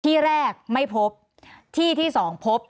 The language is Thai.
ที่แรกไม่พบที่ที่สองพบ